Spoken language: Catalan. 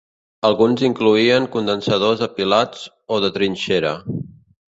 Alguns incloïen condensadors apilats o de trinxera.